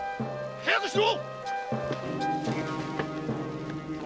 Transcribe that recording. ・早くしろ！